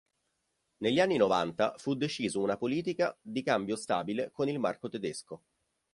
Negli anni Novanta fu deciso una politica di cambio stabile con il marco tedesco.